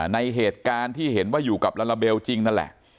ในเหตุการณ์ที่เห็นว่าอยู่กับลาลาเบลจริงนั่นแหละ